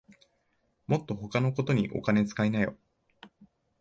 もっと他のことにお金つかいなよ